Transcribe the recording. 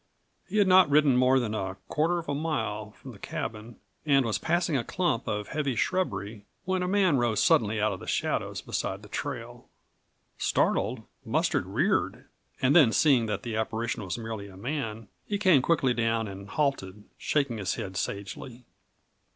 He had not ridden more than a quarter of a mile from the cabin, and was passing a clump of heavy shrubbery, when a man rose suddenly out of the shadows beside the trail. Startled, Mustard reared, and then seeing that the apparition was merely a man, he came quietly down and halted, shaking his head sagely.